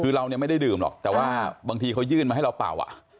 คือเราเนี่ยไม่ได้ดื่มหรอกแต่ว่าบางทีเขายื่นมาให้เราเป่า